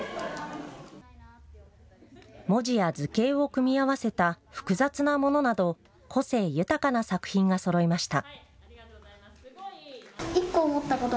文字や図形を組み合わせた複雑なものなど個性豊かな作品がそろいました。